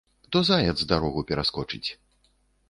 То заяц дарогу пераскочыць.